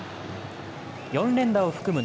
４連打を含む